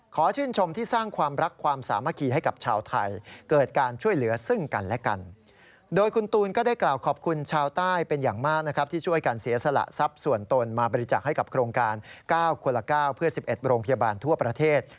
๙คนละ๙เพื่อ๑๑โรงพยาบาลทั่วประเทศ